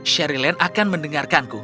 sherry lane akan mendengarkanku